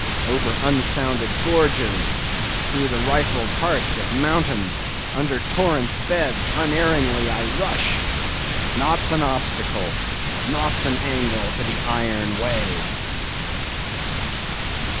Over unsounded gorges, through the rifled hearts of mountains, under torrents' beds, unerringly I rush! Naught's an obstacle, naught's an angle to the iron way!